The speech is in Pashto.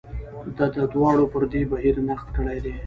دا دواړو پر دې بهیر نقد کړی دی.